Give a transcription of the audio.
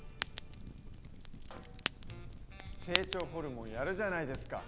成長ホルモンやるじゃないですか！